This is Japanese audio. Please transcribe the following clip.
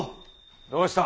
どうした？